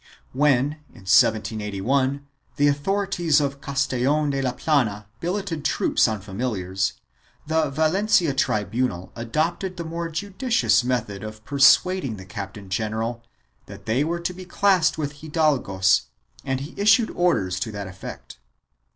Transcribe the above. When, in 1781, the authorities of Castellon de la Plana billeted troops on famil iars, the Valencia tribunal adopted the more judicious method of persuading the captain general that they were to be classed with hidalgos and he issued orders to that effect.